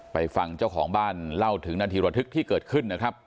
ฟังเจ้าของบ้านเล่าถึงนาทีระทึกที่เกิดขึ้นนะครับ